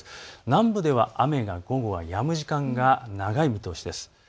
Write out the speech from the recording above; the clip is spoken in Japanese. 南部では雨が午後はやむ時間が長い見通しです。